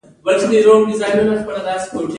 احساسات ګټور دي.